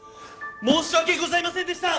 申し訳ございませんでした！